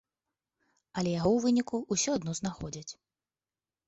Але яго ў выніку ўсё адно знаходзяць.